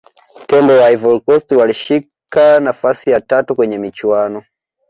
tembo wa ivory coast walishika nafasi ya tatu kwenye michuano